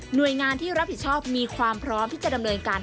โดยงานที่รับผิดชอบมีความพร้อมที่จะดำเนินการ